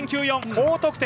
高得点！